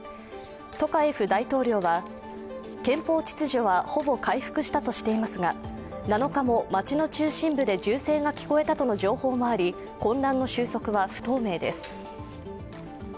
トカレフ大統領は憲法秩序はほぼ回復したとしていますが７日も街の中心部で銃声が聞こえたとの情報もあり混乱の収束は不透明です。